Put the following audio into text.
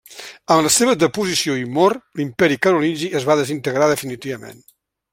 Amb la seva deposició i mort l'Imperi Carolingi es va desintegrar definitivament.